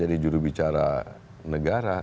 jadi juru bicara negara